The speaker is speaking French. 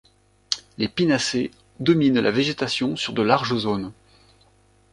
Les Pinacées dominent la végétation sur de larges zones.